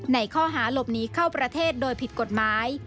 ในข้อหาหลบหนีเข้าประเทศโดยผิดกฎหมาย